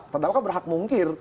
terdakwa kan berhak mungkir